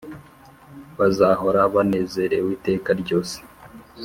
Bazahora banezerew’iteka ryose!